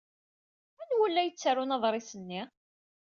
Anwa ur la yettarun aḍris-nni?